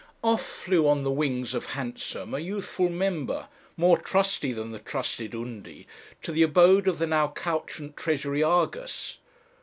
Off flew on the wings of Hansom a youthful member, more trusty than the trusted Undy, to the abode of the now couchant Treasury Argus.